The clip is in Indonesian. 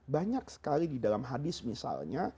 banyak sekali di dalam hadis misalnya